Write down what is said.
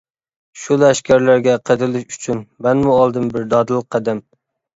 شۇ لەشكەرلەرگە قېتىلىش ئۈچۈن، مەنمۇ ئالدىم بىر دادىل قەدەم.